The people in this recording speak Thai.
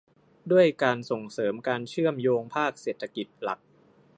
ด้วยการส่งเสริมการเชื่อมโยงภาคเศรษฐกิจหลัก